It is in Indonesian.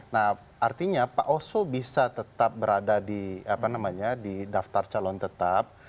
nah artinya pak oso bisa tetap berada di apa namanya di daftar calon tetap